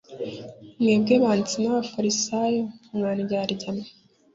"Mwebwe banditsi n'abafarisayo mwa ndyarya mwe!